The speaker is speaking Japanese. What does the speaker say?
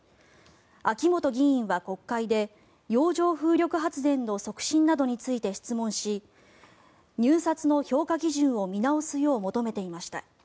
秋本議員は国会で洋上風力発電の促進などについて質問し入札の評価基準を見直すよう求めていました。